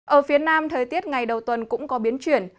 ở phía nam thời tiết ngày đầu tuần cũng có biến chuyển